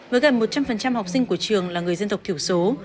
với gần một trăm linh học sinh của trường là người dân tộc thiểu số